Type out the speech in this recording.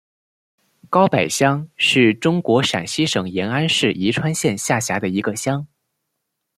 高柏乡是中国陕西省延安市宜川县下辖的一个乡。